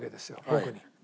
僕に。